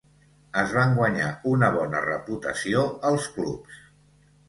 Es van guanyar una bona reputació als clubs.